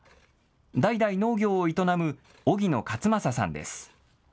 代々農業を営む荻野勝正さんです。